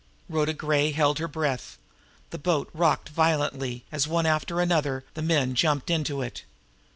Rhoda Gray held her breath. The boat rocked violently as, one after another, the men jumped into it.